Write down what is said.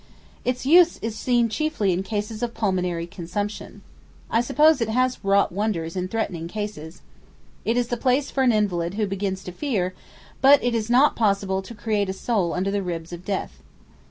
Its use is seen chiefly in cases of pulmonary consumption. I suppose it has wrought wonders in threatening cases. It is the place for an invalid who begins to fear, but it is not possible to "create a soul under the ribs of death."